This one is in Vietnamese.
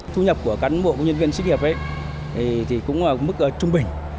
thu nhập của cán bộ công nhân viên sinh nghiệp ấy thì cũng ở mức trung bình